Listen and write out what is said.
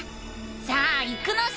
さあ行くのさ！